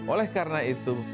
oleh karena itu